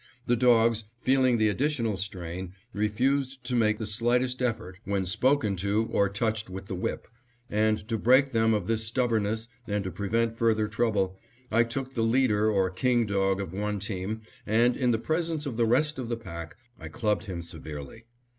The dogs, feeling the additional strain, refused to make the slightest effort when spoken to or touched with the whip, and to break them of this stubbornness, and to prevent further trouble, I took the leader or king dog of one team and, in the presence of the rest of the pack, I clubbed him severely.